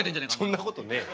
そんなことねえわ。